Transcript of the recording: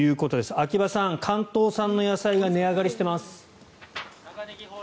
秋葉さん、関東産の野菜が値上がりしています。